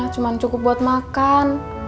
cuman cukup buat makan